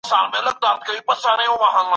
پر مځکه د خدای احکام پلي کړئ.